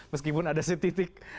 meskipun ada setitik